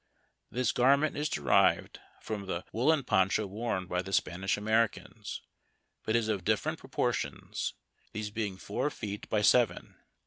This garment is derived from the woollen poncho worn by the Spanish Americans, but is of different proportions, these being four feet by seven.